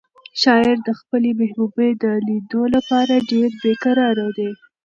شاعر د خپلې محبوبې د لیدو لپاره ډېر بې قراره دی.